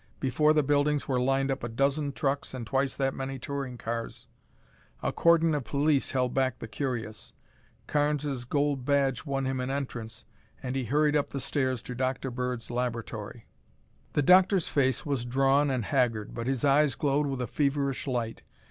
Before the buildings were lined up a dozen trucks and twice that many touring cars. A cordon of police held back the curious. Carnes' gold badge won him an entrance and he hurried up the stairs to Dr. Bird's laboratory. The doctor's face was drawn and haggard, but his eyes glowed with a feverish light.